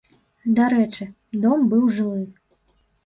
Дарэчы, дом быў жылы.